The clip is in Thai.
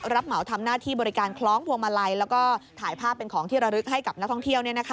เหมาทำหน้าที่บริการคล้องพวงมาลัยแล้วก็ถ่ายภาพเป็นของที่ระลึกให้กับนักท่องเที่ยว